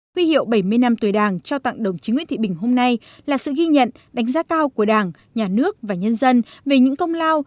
huy hiệu bảy mươi năm tuổi đảng trao tặng đồng chí nguyễn thị bình hôm nay là sự ghi nhận đánh giá cao của đảng nhà nước và nhân dân về những công lao